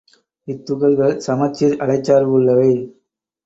இத்துகள்கள் சமச்சீர் அலைச்சார்பு உள்ளவை.